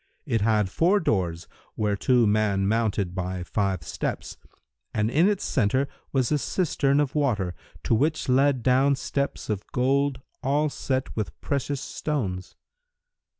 It had four doors, whereto man mounted by five steps, and in its centre was a cistern of water, to which led down steps of gold all set with precious stones.